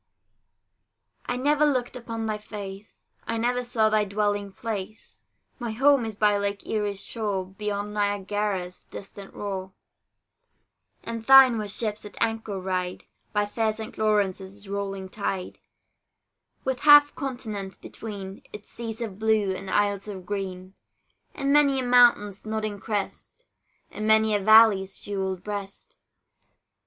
I never looked upon thy face; I never saw thy dwelling place; My home is by Lake Erie's shore, Beyond Niagara's distant roar; And thine where ships at anchor ride, By fair St. Lawrence's rolling tide, With half a continent between Its seas of blue, and isles of green, And many a mountain's nodding crest, And many a valley's jewelled breast.